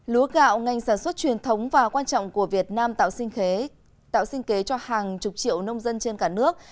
lúa gạo ngành sản xuất truyền thống và quan trọng của việt nam tạo sinh kế cho hàng chục triệu nông dân trên cả nước